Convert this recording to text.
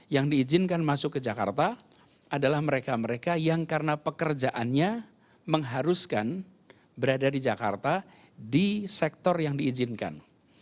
yang diizinkan masuk ke jakarta adalah mereka mereka yang karena pekerjaannya mengharuskan berada di jakarta di sektor yang diizinkan